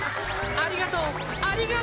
ありがとう！